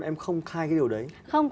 em không khai cái điều đấy